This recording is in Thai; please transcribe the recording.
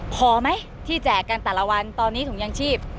พอไหมที่แจกกันแต่ละวันตอนนี้ถุงยางชีพ